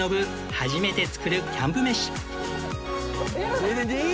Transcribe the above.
初めて作るキャンプ飯